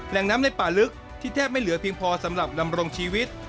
แหล่งน้ำในป่าลึกที่แทบไม่เหลือเพียงพอสำหรับดำรงชีวิต